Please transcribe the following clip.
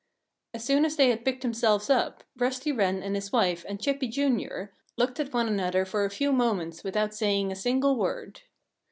As soon as they had picked themselves up, Rusty Wren and his wife and Chippy, Jr., looked at one another for a few moments without saying a single word.